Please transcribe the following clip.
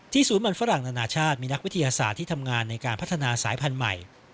ศูนย์มันฝรั่งนานาชาติมีนักวิทยาศาสตร์ที่ทำงานในการพัฒนาสายพันธุ์ใหม่